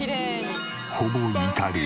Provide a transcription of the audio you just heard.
ほぼイタリア。